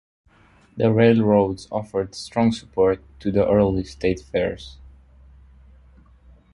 The railroads offered strong support to the early State Fairs.